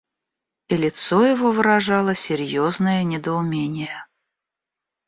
И лицо его выражало серьезное недоумение.